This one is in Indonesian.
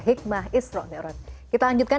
hikmah isra mirot kita lanjutkan